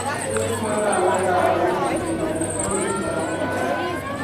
A Duuma Naawuni daa arizichi n gari, ka nyɛ kpaliŋkpaa.